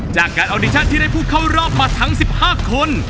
จากการออดิชั่นที่ได้ผู้เข้ารอบมาทั้ง๑๕คน